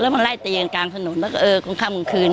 มาไล่เตียงกลางถนนแล้วก็เออกลางค่ำกลางคืน